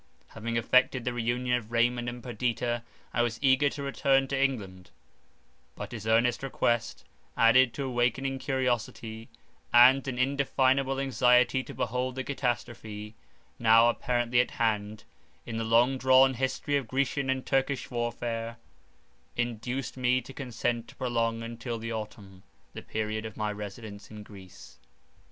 Having effected the reunion of Raymond and Perdita, I was eager to return to England; but his earnest request, added to awakening curiosity, and an indefinable anxiety to behold the catastrophe, now apparently at hand, in the long drawn history of Grecian and Turkish warfare, induced me to consent to prolong until the autumn, the period of my residence in Greece.